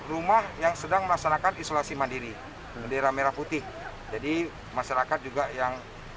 rumah yang sedang melaksanakan isolasi mandiri bendera merah putih jadi masyarakat juga yang